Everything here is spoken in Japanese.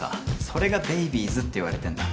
それがベイビーズっていわれてんだ。